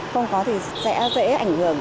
không có thì sẽ dễ ảnh hưởng